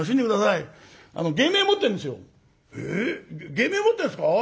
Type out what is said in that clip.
芸名持ってるんですか？